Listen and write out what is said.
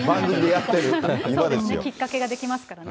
きっかけができますからね。